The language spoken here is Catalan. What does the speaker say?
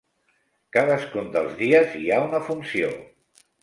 Cadascun dels dies hi ha una funció.